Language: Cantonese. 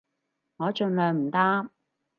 我盡量唔搭